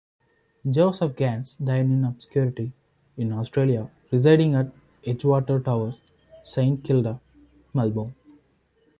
Josef Ganz died in obscurity in Australia, residing at Edgewater Towers, Saint Kilda, Melbourne.